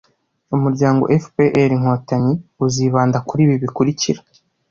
umuryango fpr-inkotanyi uzibanda kuri ibi bikurikira